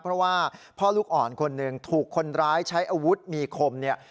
เพราะว่าพ่อลูกอ่อนคนหนึ่งถูกคนร้ายใช้อาวุธมีคมเนี่ย